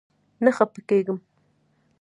نه خپه کيږم